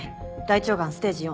大腸がんステージⅣ。